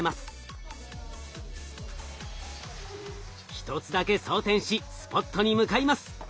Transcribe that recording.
１つだけ装填しスポットに向かいます。